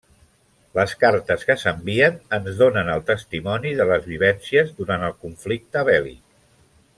Les cartes que s'envien ens donen el testimoni de les vivències durant el conflicte bèl·lic.